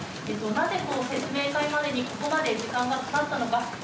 なぜ、この説明会までにここまで時間がかかったのか。